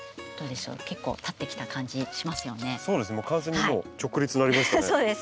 完全にもう直立になりましたね。